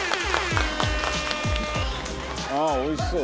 「ああおいしそう。